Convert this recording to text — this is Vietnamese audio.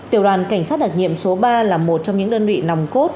tiểu đoàn cảnh sát đặc nhiệm số ba là một trong những đơn vị nòng cốt